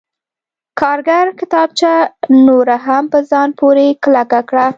کارګر کتابچه نوره هم په ځان پورې کلکه کړه